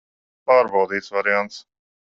Pārbaudīts variants.